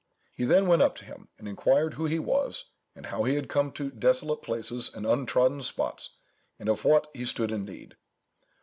He then went up to him, and inquired who he was, and how he had come to desolate places and untrodden spots, and of what he stood in need.